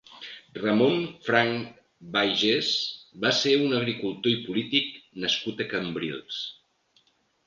Ramon Franch Baiges va ser un agricultor i polític nascut a Cambrils.